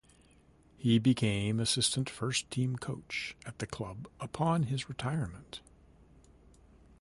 He became assistant first-team coach at the club upon his retirement.